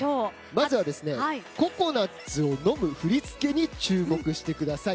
まずはココナッツを飲む振り付けに注目してください。